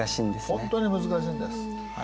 ほんとに難しいんです。